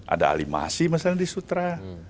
ada ali masih misalnya di sutra